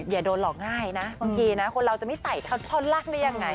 อย่าโดนหลอกง่ายนะบางทีนะคนเราจะไม่ไต่ท่อนล่างได้ยังไง